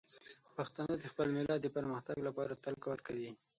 پښتانه د خپل ملت د پرمختګ لپاره تل کار کوي.